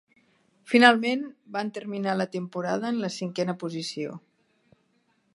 Finalment van terminar la temporada en la cinquena posició.